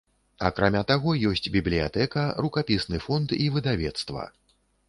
Акрамя таго, ёсць бібліятэка, рукапісны фонд і выдавецтва.